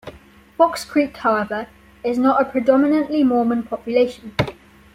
Fox Creek, however, is not a predominantly Mormon population.